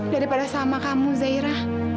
daripada sama kamu zahira